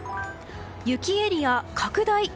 雪エリア拡大！